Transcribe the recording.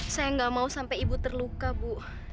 saya nggak mau sampai ibu terluka bu